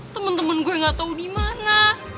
temen temen gue gak tau di mana